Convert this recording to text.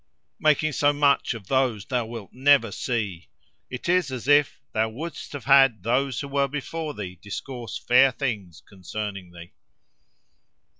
—Making so much of those thou wilt never see! It is as if thou wouldst have had those who were before thee discourse fair things concerning thee.